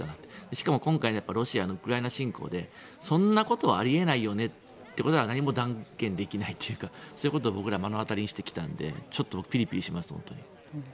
しかも今回ロシアのウクライナ侵攻でそんなことはあり得ないよねってことが何も断言できないというかそういうことを僕らは目の当たりにしてきたのでちょっと本当にピリピリします。